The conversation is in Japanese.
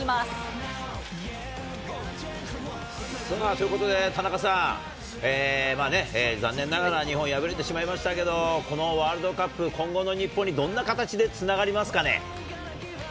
ということでね、田中さん、残念ながら、日本、敗れてしまいましたけど、このワールドカップ、今後の日本にどんな形でつながりますかね？